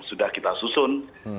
sudah kita susun